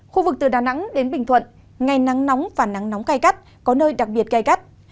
khu vực từ đà nẵng đến bình thuận ngày nắng nóng và nắng nóng cay cắt có nơi đặc biệt cay cắt